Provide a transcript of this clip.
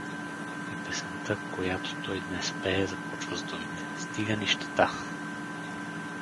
И песента, която той днес пее, започва с думите: „Стига нищета!